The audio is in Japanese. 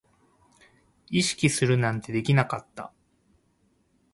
意識するなんてできなかった